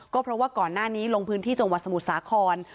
ก็เพราะว่าก่อนหน้านี้ลงพื้นที่จังหวัดสมุทรสาคร